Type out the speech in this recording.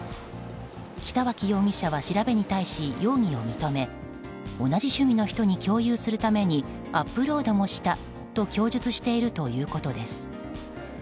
北脇容疑者は調べに対し容疑を認め同じ趣味の人に共有するためにアップロードもしたと供述しているということです。